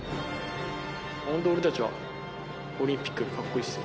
本当、俺たちはオリンピックより格好いいですよ。